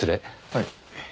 はい。